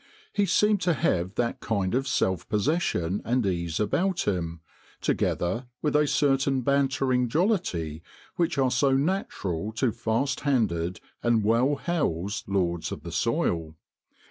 He seemed to have that kind of self possession and ease about him, together with a certain bantering jollity, which are so natural to fast handed and well housed lords of the soil.